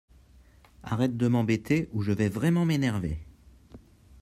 Arrête de m'embêter ou je vais vraiment m'énerver